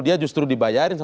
dia justru dibayarin